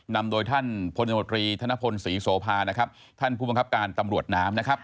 นำโดยท่านพลตมตรีธนพลศรีโสภานะครับท่านผู้บังคับการตำรวจน้ำนะครับ